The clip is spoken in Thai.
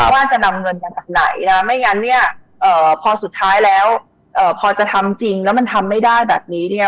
ว่าจะนำเงินมาจากไหนนะไม่งั้นเนี่ยพอสุดท้ายแล้วพอจะทำจริงแล้วมันทำไม่ได้แบบนี้เนี่ย